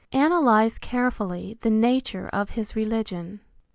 Analyze carefully the nature of his religion.